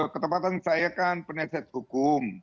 ketepatan saya kan penasihat hukum